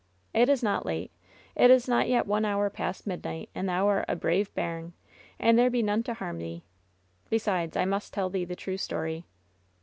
"It is not late. It is not yet one hour past midnight ; and thou art a brave bairn, and there be none to harm thee. Besides, I must tell thee the true story."